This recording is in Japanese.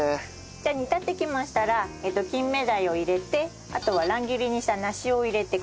じゃあ煮立ってきましたら金目鯛を入れてあとは乱切りにした梨を入れてください。